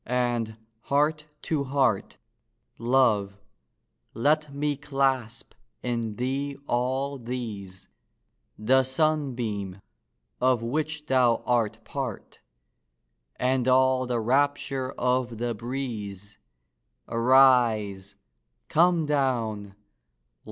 and, heart to heart, Love, let me clasp in thee all these— The sunbeam, of which thou art part, And all the rapture of the breeze!— Arise! come down!